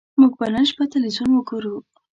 موږ به نن شپه ټلویزیون وګورو